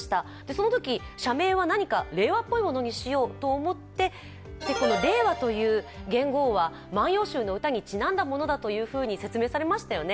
そのとき社名は何か令和っぽいものにしようと思って、令和という元号は「万葉集」の歌にちなんだものと説明されましたよね。